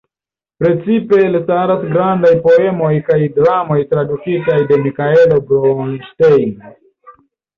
Precipe elstaras grandaj poemoj kaj dramoj tradukitaj de Mikaelo Bronŝtejn.